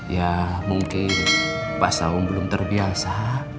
ya mungkin mas aung belum terbiasa